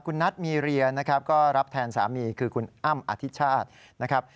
คุณนัทมีเรียนะครับก็รับแทนสามีคือคุณอ้ำอธิชาตินะครับ